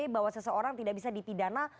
bahwa seseorang tidak bisa dipidana